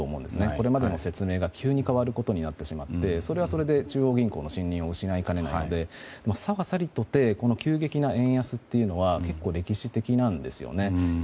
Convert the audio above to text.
これまでの説明が急に変わることになってしまってそれはそれで中央銀行の信用を失いかねないのでしかしこの急激な円安というのは結構、歴史的なんですよね。